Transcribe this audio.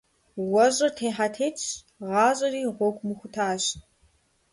УэщIыр техьэ-текIщ, гъащIэри гъуэгу мыхутащ.